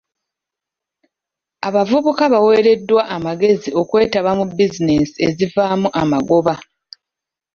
Abavubuka baweereddwa amagezi okwetaba mu bizinensi ezivaamu amagoba.